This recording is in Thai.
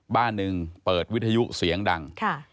บ้านหนึ่งเปิดวิทยุเสียงดัง